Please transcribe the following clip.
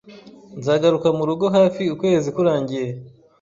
Nzagaruka murugo hafi ukwezi kurangiye.